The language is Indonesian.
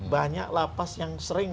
banyak lapas yang sering